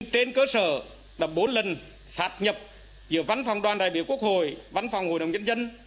trên cơ sở là bốn lần sát nhập giữa văn phòng đoàn đại biểu quốc hội văn phòng hội đồng nhân dân